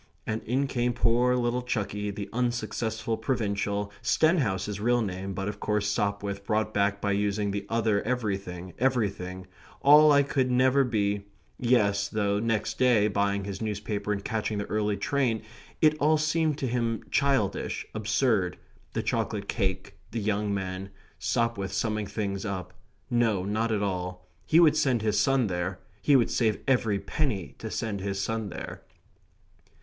And in came poor little Chucky, the unsuccessful provincial, Stenhouse his real name, but of course Sopwith brought back by using the other everything, everything, "all I could never be" yes, though next day, buying his newspaper and catching the early train, it all seemed to him childish, absurd; the chocolate cake, the young men; Sopwith summing things up; no, not all; he would send his son there. He would save every penny to send his son there.